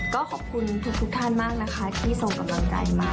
ก็ขอบคุณทุกท่านมากนะคะที่ส่งกำลังใจมา